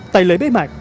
tại lễ bế mạc